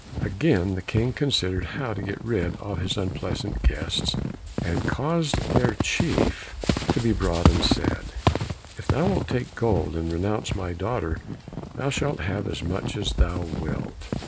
Again the King considered how to get rid of his unpleasant guests, and caused their chief to be brought and said, "If thou wilt take gold and renounce my daughter, thou shalt have as much as thou wilt."